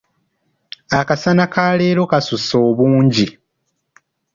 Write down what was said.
Akasana ka leero kasusse obungi.